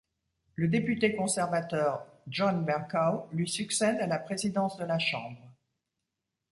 Le député conservateur John Bercow lui succède à la présidence de la Chambre.